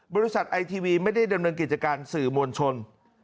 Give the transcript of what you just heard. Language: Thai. บริษัทไอทีวีไม่ได้ดำเนินกิจการสื่อมวลชน